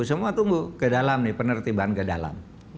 semua tumbuh ke dalam nih penertiban ke dalam